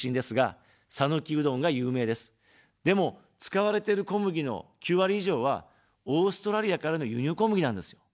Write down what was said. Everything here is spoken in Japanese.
でも、使われてる小麦の９割以上はオーストラリアからの輸入小麦なんですよ。